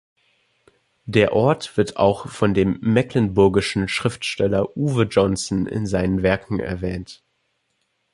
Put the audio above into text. Der Ort wird auch von dem mecklenburgischen Schriftsteller Uwe Johnson in seinen Werken erwähnt.